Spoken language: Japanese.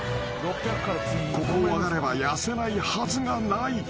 ［ここを上がれば痩せないはずがない］